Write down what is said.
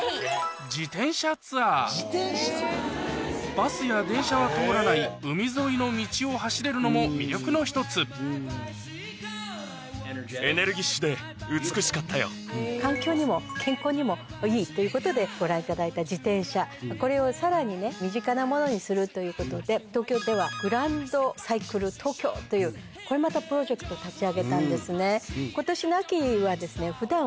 バスや電車は通らない海沿いの道を走れるのも魅力の１つ環境にも健康にもいいということでご覧いただいた自転車これをさらにね身近なものにするということで東京では。というこれまたプロジェクト立ち上げたんですね。